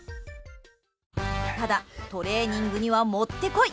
ただ、トレーニングには持ってこい。